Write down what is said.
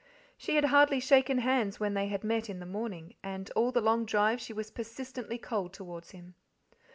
She had hardly shaken hands when they had met in the morning, and all the long drive she was persistently cold towards him.